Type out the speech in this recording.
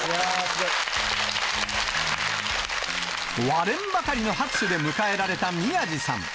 割れんばかりの拍手で迎えられた宮治さん。